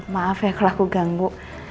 maaf ya kalau aku ganggu